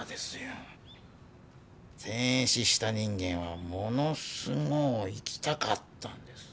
戦死した人間はものすごう生きたかったんです。